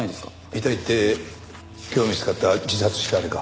遺体って今日見つかった自殺したあれか？